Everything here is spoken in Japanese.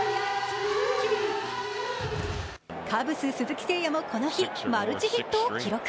カブス・鈴木誠也もこの日、マルチヒットを記録。